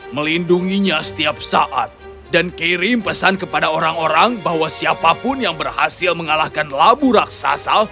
melindunginya setiap saat dan kirim pesan kepada orang orang bahwa siapapun yang berhasil mengalahkan labu raksasa